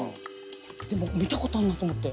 でも見たことあるなと思って。